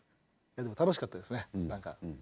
楽しかったですねなんか。